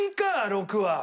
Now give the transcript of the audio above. ６は。